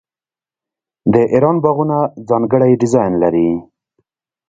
د ایران باغونه ځانګړی ډیزاین لري.